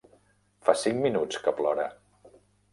Fa cinc minuts que plora.